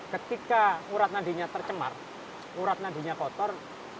ketika urat nadinya tercemar urat nadinya kotor